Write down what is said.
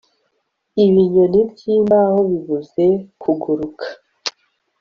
Ibinyoni byimbaho bibuza kuguruka